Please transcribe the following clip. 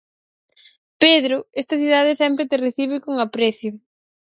Pedro, esta cidade sempre te recibe con aprecio.